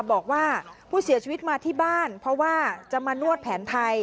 บอกว่าผู้เสียชีวิตมาที่บ้านเพราะว่าจะมานวดแผนไทย